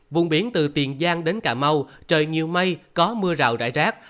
vùng biển từ tiền giang đến cà mau trời nhiều mây có mưa rào rải rác